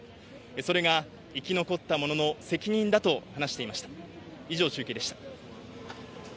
それが生き残った者の責任だと話していました。